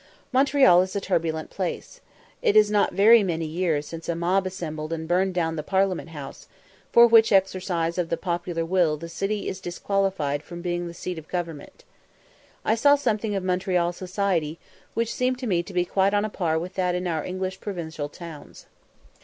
Montreal is a turbulent place. It is not very many years since a mob assembled and burned down the Parliament House, for which exercise of the popular will the city is disqualified from being the seat of government. I saw something of Montreal society, which seemed to me to be quite on a par with that in our English provincial towns.